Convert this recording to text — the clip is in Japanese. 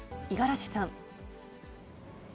五十嵐さん。